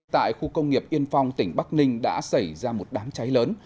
tại khu công nghiệp yên phong tỉnh bắc ninh đã xảy ra một đám cháy lớn